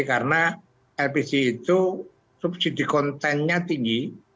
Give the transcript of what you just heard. karena lpg itu subsidi kontennya tinggi